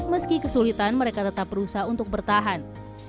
meski kesulitan mereka tetap berusaha untuk bertahan